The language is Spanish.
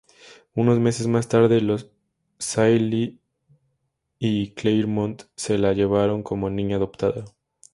Unos meses más tarde los Shelley y Clairmont se la llevaron como niña "adoptada".